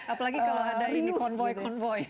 apalagi kalau ada ini konvoy konvoy